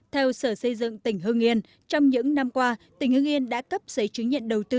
theo sở xây dựng tỉnh hương yên trong những năm qua tỉnh hưng yên đã cấp giấy chứng nhận đầu tư